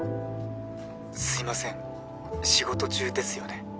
☎すいません仕事中ですよね？